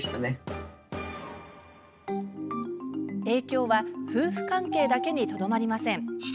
影響は夫婦関係だけにとどまりません。